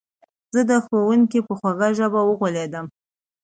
زه د ښوونکي په خوږه ژبه وغولېدم.